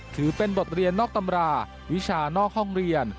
ถือเป็นบทเรียนนอกตำราวิชานอกห้องเรียน